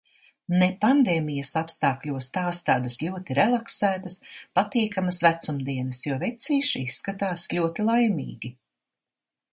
Ne pandēmijas apstākļos tās tādas ļoti relaksētas, patīkamas vecumdienas, jo vecīši izskatās ļoti laimīgi.